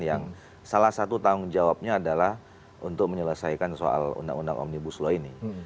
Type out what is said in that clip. yang salah satu tanggung jawabnya adalah untuk menyelesaikan soal undang undang omnibus law ini